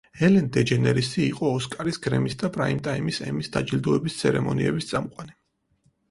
ელენ დეჯენერესი იყო ოსკარის, გრემის და პრაიმტაიმის ემის დაჯილდოების ცერემონიების წამყვანი.